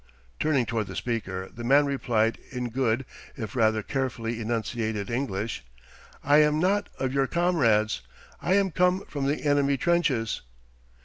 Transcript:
Turning toward the speaker, the man replied in good if rather carefully enunciated English: "I am not of your comrades. I am come from the enemy trenches."